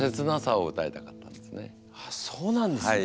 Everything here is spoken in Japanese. あっそうなんですね。